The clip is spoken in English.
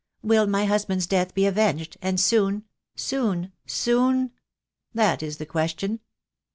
Will my husband's death be avenged, and soon, soon, soon? That is the question."